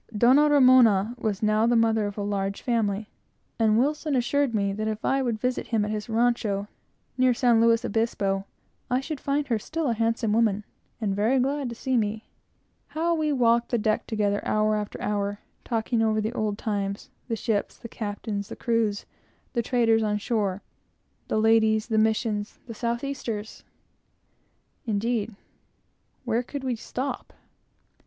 Doña Ramona was now the mother of a large family, and Wilson assured me that if I would visit him at his rancho, near San Luis Obispo, I should find her still a handsome woman, and very glad to see me. How we walked the deck together, hour after hour, talking over the old times, the ships, the captains, the crews, the traders on shore, the ladies, the Missions, the south easters! indeed, where could we stop?